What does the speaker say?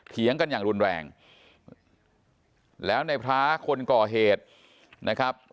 เถียงกันอย่างรุนแรงแล้วในพระคนก่อเหตุนะครับ